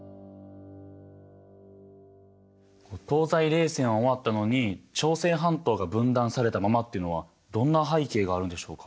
東西冷戦は終わったのに朝鮮半島が分断されたままっていうのはどんな背景があるんでしょうか？